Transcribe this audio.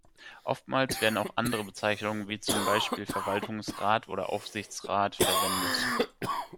Oftmals werden auch andere Bezeichnungen wie zum Beispiel Verwaltungsrat oder Aufsichtsrat verwendet.